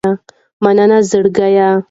مننه زړګیه